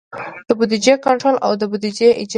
د بودیجې کنټرول او د بودیجې اجرا.